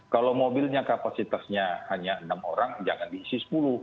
kalau mobilnya kapasitasnya hanya enam orang jangan diisi sepuluh